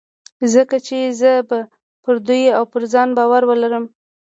ځکه چې زه به پر دوی او پر ځان باور ولرم.